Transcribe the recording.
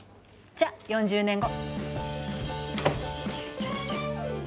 じゃ４０年後！